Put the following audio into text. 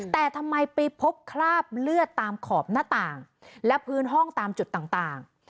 แต่ทำไมไปพบคราบเลือดตามขอบหน้าต่างและพื้นห้องตามจุดต่าง